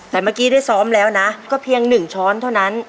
แต่เมื่อกี้ได้ซ้อมแล้วนะก็เพียง๑ช้อนเท่านั้น